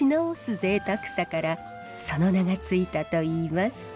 ぜいたくさからその名が付いたといいます。